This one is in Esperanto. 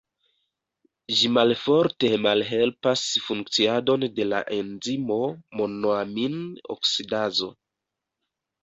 Ĝi malforte malhelpas funkciadon de la enzimo monoamin-oksidazo.